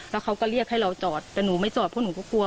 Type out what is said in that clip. แล้วเขาก็เรียกให้เราจอดแต่หนูไม่จอดเพราะหนูก็กลัว